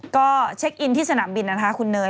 ก็เช็คอินที่สนามบินนะคะคุณเนย